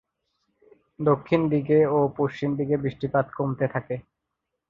দক্ষিণ দিকে ও পশ্চিম দিকে বৃষ্টিপাত কমতে থাকে।